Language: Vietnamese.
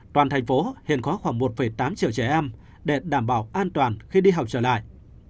toàn thành phố hiện có khoảng một tám triệu trẻ em để đảm bảo an toàn khi đi học trở lại